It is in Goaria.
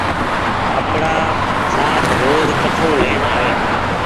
ڪپڙآ ساڦ روز ڪٺو لين آوي۔